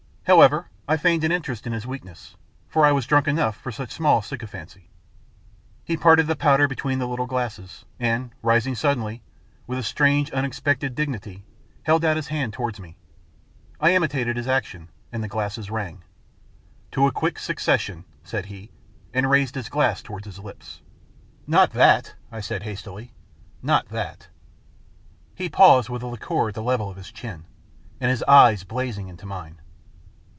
However, I feigned a great interest in his weakness, for I was drunk enough for such small sycophancy. He parted the powder between the little glasses, and, rising suddenly, with a strange unexpected dignity, held out his hand towards me. I imitated his action, and the glasses rang. " To a quick suc cession," said he, and raised his glass towards his lips. " Not that," I said hastily. " Not that." He paused, with the liqueur at the level of his chin, and his eyes blazing into mine.